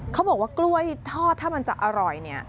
เขาบอกว่ากล้วยทอดถ้ามันจะอร่อยเนี่ย